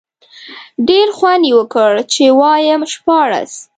ډېر خوند یې وکړ، چې وایم شپاړس.